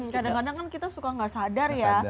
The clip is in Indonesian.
kadang kadang kan kita suka nggak sadar ya